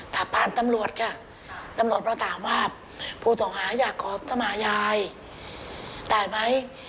ถ้าผ่านตำรวจค่ะตำรวจเราถามว่าผู้ต่อหาอยากขอสมายายตายไหม